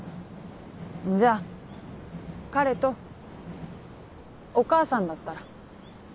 じゃあ彼とお母さんだったら？